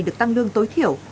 được tăng lương tối thiểu